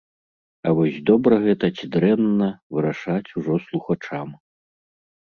А вось добра гэта ці дрэнна, вырашаць ужо слухачам.